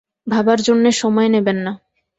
ভাবার জন্যে সময় নেবেন না।